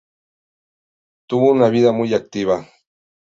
Tuvo una vida muy activa.